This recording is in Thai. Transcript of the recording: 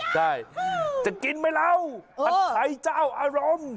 ใช่จะกินไหมเราผัดไทยเจ้าอารมณ์